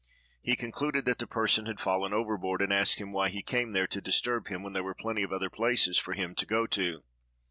He concluded that the person had fallen overboard, and asked him why he came there to disturb him, when there were plenty of other places for him to go to.